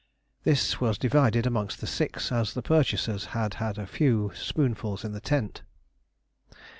This was divided amongst the six, as the purchasers had had a few spoonfuls in the tent.